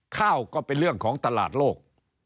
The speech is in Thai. ก็เป็นเรื่องของตลาดโลก